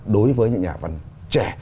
đối với những nhà văn trẻ